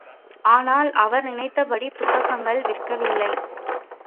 ஆனால் அவர் நினைத்தப்டி புத்தகங்கள் விற்கவில்லை.